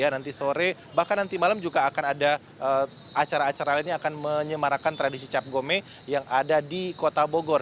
nanti sore bahkan nanti malam juga akan ada acara acara lain yang akan menyemarakan tradisi cap gome yang ada di kota bogor